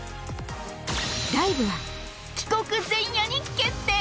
ライブは帰国前夜に決定！